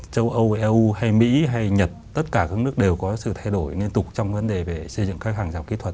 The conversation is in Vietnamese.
châu âu eu hay mỹ hay nhật tất cả các nước đều có sự thay đổi liên tục trong vấn đề về xây dựng các hàng rào kỹ thuật